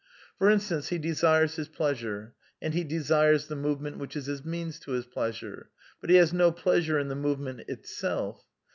For instance, he desires his pleasure ; and he desires the movement which is his means to his pleasure; but he has no pleasure in the movement itself.